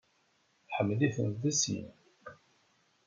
Tḥemmel-iten deg sin.